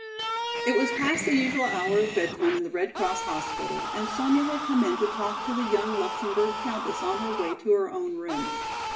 It was past the usual hour of bed time in the Red Cross hospital and Sonya had come in to talk to the young Luxemburg countess on her way to her own room.